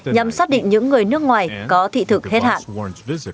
nhằm xác định những người nước ngoài có thị thực hết hạn